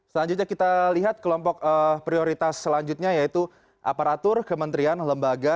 selanjutnya kita lihat kelompok prioritas selanjutnya yaitu aparatur kementerian lembaga